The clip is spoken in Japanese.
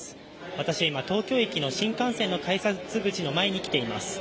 私は今、東京駅の新幹線の改札口の前に来ています。